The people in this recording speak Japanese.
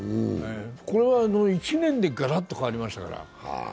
これは１年でがらっと変わりましたから。